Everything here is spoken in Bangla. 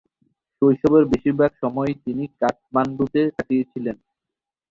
শৈশবের বেশিরভাগ সময়ই তিনি কাঠমান্ডুতে কাটিয়েছিলেন।